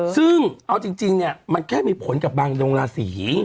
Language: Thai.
ซึ่งเอาจริงเนี่ยมันแค่มีผลกับบางโรงราศี